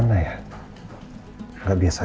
saya mau lepasin saya